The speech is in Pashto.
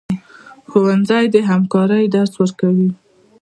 ښوونځی د همکارۍ درس ورکوي